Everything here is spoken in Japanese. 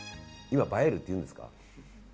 今、映えるっていうんですか？